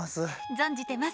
存じてます。